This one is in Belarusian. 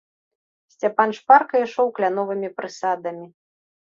Сцяпан шпарка ішоў кляновымі прысадамі.